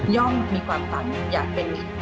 ่อมมีความฝันอยากเป็นมิตร